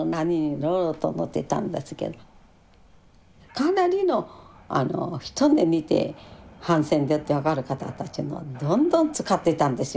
かなりの一目見てハンセン病って分かる方たちもどんどん使ってたんですよ